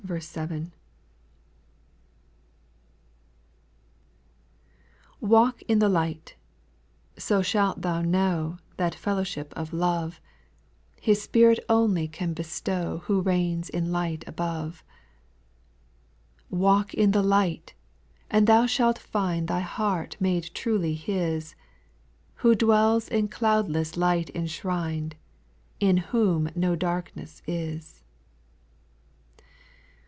1. 11/ALK in the light 1 so shalt thou know rr That fo. low ship of love, SPIRITUAL SONOS, 10/ His Spirit only can bestow Who reigns in light above. 3. Walk in the light I and thou shalt find Thy heart made truly His, Who dwells in cloudless light enshrined, In whom no darkness is.